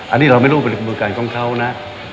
อันนี้เราไม่รู้ณมูลการของเขานะ